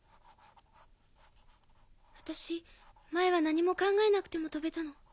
私前は何も考えなくても飛べたの。